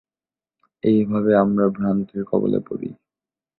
এইভাবে আমরা ভ্রান্তির কবলে পড়ি।